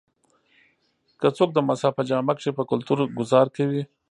کۀ څوک د مذهب پۀ جامه کښې پۀ کلتور ګذار کوي